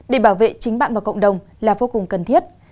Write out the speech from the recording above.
để bảo vệ chính bạn và cộng đồng là vô cùng cần thiết